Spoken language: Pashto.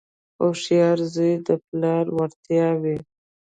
• هوښیار زوی د پلار ویاړ وي.